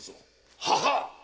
〔ははっ。